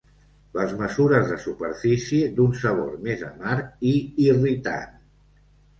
Les mesures de superfície d'un sabor més amarg i irritant.